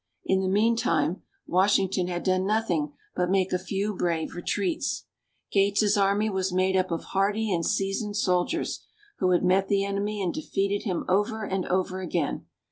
In the meantime, Washington had done nothing but make a few brave retreats. Gates' army was made up of hardy and seasoned soldiers, who had met the enemy and defeated him over and over again.